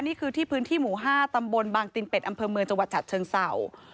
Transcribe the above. นี่คือที่พื้นที่หมู่๕ตำบลบางตินเป็ดอำเภอเมืองจังหวัดฉะเชิงเศร้า